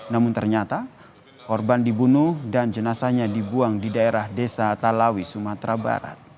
namun ternyata korban dibunuh dan jenazahnya dibuang di daerah desa talawi sumatera barat